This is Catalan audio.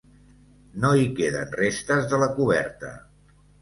No hi queden restes de la coberta.